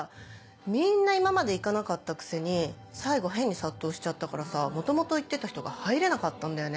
みんな今まで行かなかったくせに最後変に殺到しちゃったからさ元々行ってた人が入れなかったんだよね。